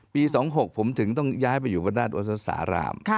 ๒๖ผมถึงต้องย้ายไปอยู่บนด้านโอสสาราม